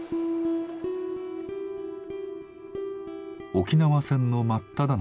沖縄戦の真っただ中